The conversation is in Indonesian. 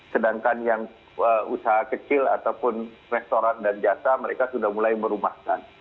sedangkan yang usaha kecil ataupun restoran dan jasa mereka sudah mulai merumahkan